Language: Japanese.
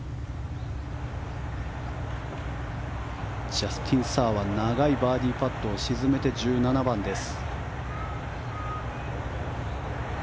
ジャスティン・サーは長いバーディーパットを沈めて１７番です。